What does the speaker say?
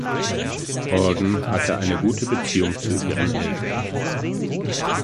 Halden hatte eine gute Beziehung zu ihren Eltern.